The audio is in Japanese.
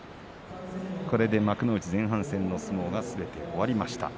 幕内前半戦の相撲がすべて終わりました。